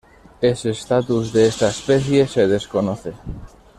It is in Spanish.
Es estatus de esta especie se desconoce.